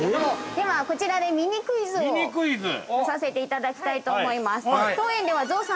ではこちらでミニクイズをさせていただきたいと思います。